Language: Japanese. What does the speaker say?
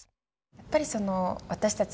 やっぱりその私たち